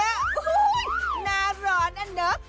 โอ้โหหน้าร้อนอ่ะเนอะ